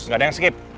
gak ada yang skip